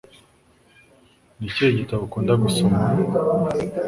Ni ikihe gitabo ukunda gusoma